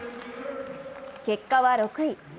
結果は６位。